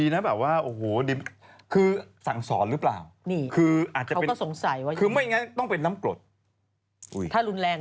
ถ้ารุนแรงก็เป็นเรื่อง